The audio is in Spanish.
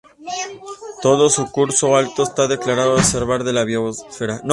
Todo su curso alto está declarado Reserva de la Biosfera.